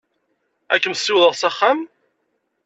Ad kem-ssiwḍeɣ s axxam?